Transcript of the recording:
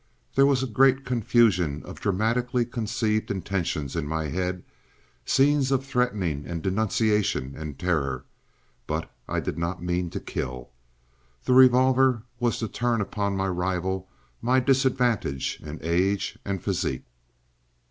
There was a great confusion of dramatically conceived intentions in my head, scenes of threatening and denunciation and terror, but I did not mean to kill. The revolver was to turn upon my rival my disadvantage in age and physique.